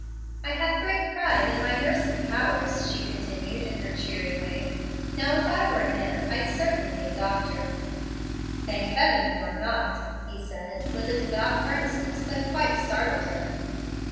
"I have great pride in my nursing powers," she continued, in her cheery way. "Now, if I were a man, I'd certainly be a doctor." "Thank Heaven you are not!" he said, with a devout earnestness that quite startled her.